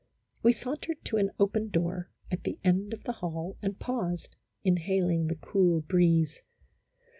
We sauntered to an open door at the end of the hall and paused, inhaling the cool breeze.